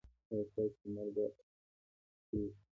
ایا ستاسو لمر به را نه خېژي؟